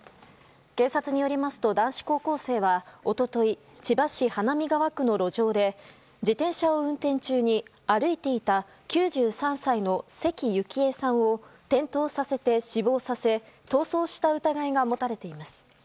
警察によりますと男子高校生は一昨日、千葉市花見川区の路上で自転車を運転中に歩いていた９３歳の関ゆきえさんを転倒させて死亡させ逃走した疑いが持たれています。